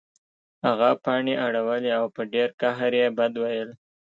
هغه پاڼې اړولې او په ډیر قهر یې بد ویل